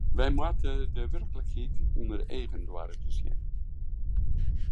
Wy moatte de werklikheid ûnder eagen doare te sjen.